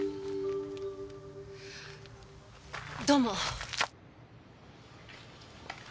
どうも。